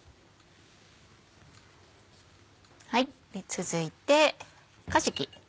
続いてかじき。